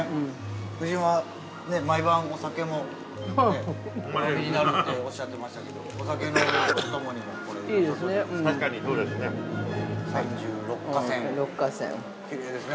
夫人は、毎晩お酒もねお飲みになるっておっしゃってましたけど、お酒のお供にもこれ、よさそうですね。